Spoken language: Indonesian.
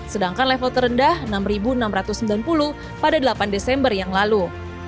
sedangkan level terendah enam enam ratus sembilan puluh pada delapan desember yang lalu